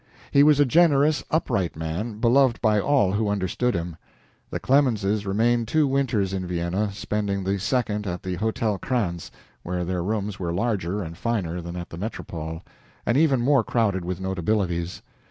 He was a generous, upright man, beloved by all who understood him. The Clemenses remained two winters in Vienna, spending the second at the Hotel Krantz, where their rooms were larger and finer than at the Metropole, and even more crowded with notabilities.